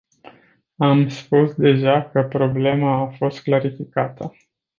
Am spus deja că problema a fost clarificată.